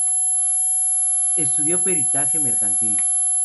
Estudió Peritaje Mercantil.